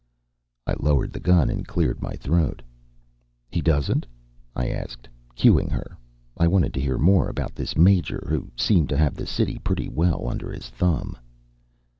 I lowered the gun and cleared my throat. "He doesn't?" I asked, cuing her. I wanted to hear more about this Major, who seemed to have the city pretty well under his thumb.